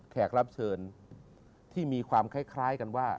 แขกรับเชิญที่มีความคล้ายกันว่า